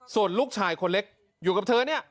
ส่วนลูกชายคนเล็กอยู่กับเธอเนี่ย